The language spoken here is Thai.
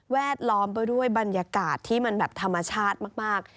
ดล้อมไปด้วยบรรยากาศที่มันแบบธรรมชาติมาก